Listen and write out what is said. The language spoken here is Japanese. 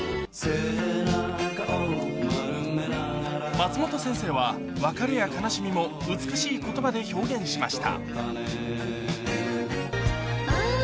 松本先生は別れや悲しみも美しい言葉で表現しました